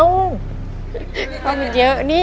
มันเยอะ